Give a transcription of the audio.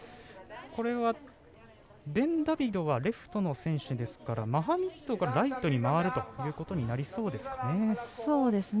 これは、ベンダビドはレフトの選手ですからマハミッドがライトに回ることになりそうですかね。